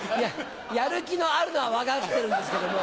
やる気のあるのは分かってるんですけども。